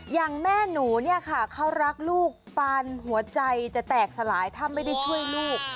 อย่างแม่หนูเนี่ยค่ะเขารักลูกปานหัวใจจะแตกสลายถ้าไม่ได้ช่วยลูก